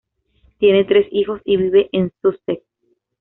Tiene tres hijos y vive en Sussex.